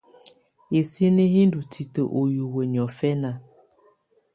Hisini hi ndɔ́ titǝ́ ú hiwǝ́ niɔ̀fɛna.